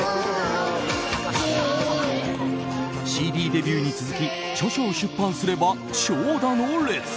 ＣＤデビューに続き著書を出版すれば長蛇の列。